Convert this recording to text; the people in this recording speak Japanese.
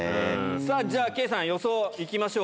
さあ、じゃあ、圭さん、予想いきましょう。